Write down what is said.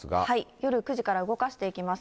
夜９時から動かしていきます。